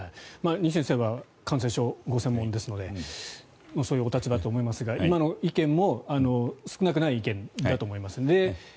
二木先生は感染症のご専門ですのでそういうお立場だと思いますが今の意見も少なくない意見だと思います。